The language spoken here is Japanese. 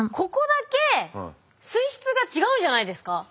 ここだけ水質が違うんじゃないですか。